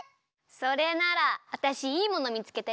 それならわたしいいものみつけたよ！